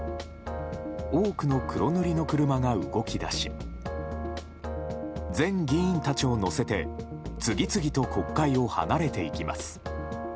多くの黒塗りの車が動き出し前議員たちを乗せて次々と国会を離れていきます。